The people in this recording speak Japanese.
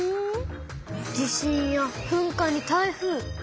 地震や噴火に台風。